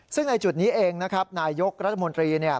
ซึ่งในจุดนี้เองนะครับนายยกรัฐมนตรี